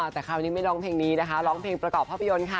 แต่คราวนี้ไม่ร้องเพลงนี้นะคะร้องเพลงประกอบภาพยนตร์ค่ะ